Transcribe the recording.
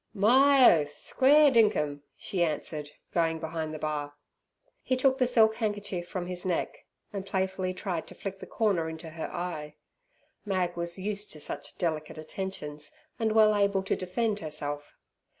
"My oath! Square dinkum!" she answered, going behind the bar. He took the silk handkerchief from his neck, and playfully tried to flick the corner into her eye. Mag was used to such delicate attentions and well able to defend herself.